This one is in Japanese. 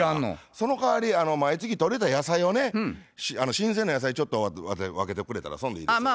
そのかわり毎月とれた野菜をね新鮮な野菜ちょっと分けてくれたらそんでいいですよと。